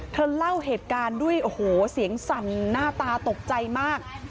เล่าเหตุการณ์ด้วยโอ้โหเสียงสั่นหน้าตาตกใจมาก